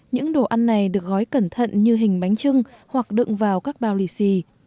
những đồ ăn này được gói cẩn thận như hình bánh trưng hoặc đựng vào các bao lì xì